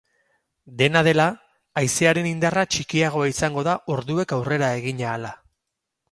Dena dela, haizearen indarra txikiagoa izango da orduek aurrera egin ahala.